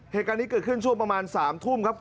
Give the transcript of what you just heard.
เหตุการณ์นี้เกิดขึ้นช่วงประมาณ๓ทุ่มครับ